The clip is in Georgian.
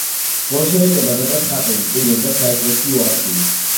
ბოლშევიკებმა დაწვეს ხატები, წიგნები და საეკლესიო არქივი.